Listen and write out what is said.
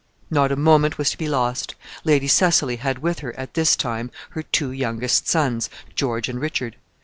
Not a moment was to be lost. Lady Cecily had with her, at this time, her two youngest sons, George and Richard.